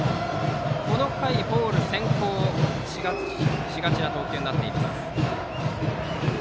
この回、ボール先行しがちな投球となっています。